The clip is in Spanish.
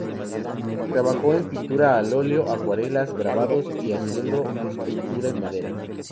Trabajó en pintura al óleo, acuarelas, grabados, y haciendo escultura en madera.